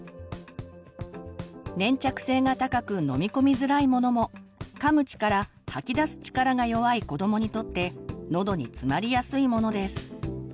粘着性が高く飲み込みづらいものもかむ力吐き出す力が弱い子どもにとってのどに詰まりやすいものです。